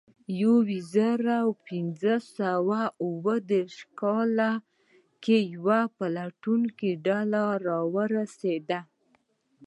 په یو زرو پینځه سوه اوه دېرش کال کې یوه پلټونکې ډله ورسېده.